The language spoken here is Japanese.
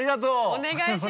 お願いします。